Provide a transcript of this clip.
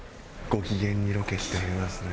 ご機嫌にロケしておりますね。